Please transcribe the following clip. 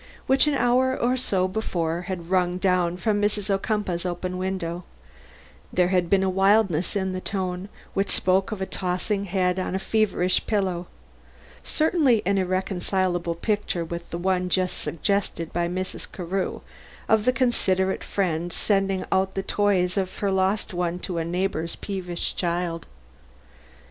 which an hour or so before had rung down to me from Mrs. Ocumpaugh's open window. There had been a wildness in the tone, which spoke of a tossing head on a feverish pillow. Certainly an irreconcilable picture with the one just suggested by Mrs. Carew of the considerate friend sending out the toys of her lost one to a neighbor's peevish child.